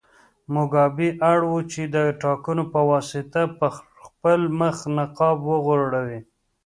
موګابي اړ و چې د ټاکنو په واسطه پر خپل مخ نقاب وغوړوي.